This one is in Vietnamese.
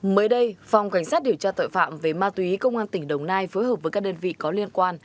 mới đây phòng cảnh sát điều tra tội phạm về ma túy công an tỉnh đồng nai phối hợp với các đơn vị có liên quan